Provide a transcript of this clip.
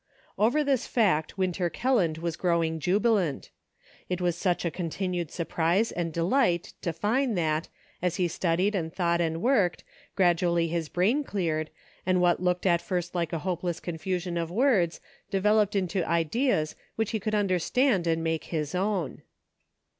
Over this fact Winter Kelland was growing jubilant. It was such a continued surprise and delight to find that, as he studied and thought and worked, gradually his brain cleared, and what looked at first like a hope less confusion of words, developed into ideas which he could understand and make his own.